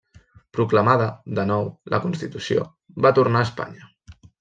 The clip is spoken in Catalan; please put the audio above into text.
Proclamada, de nou, la Constitució, va tornar a Espanya.